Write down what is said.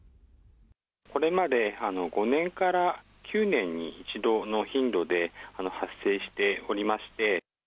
これまで５年から９年に一度の頻度で、発生しておりまして。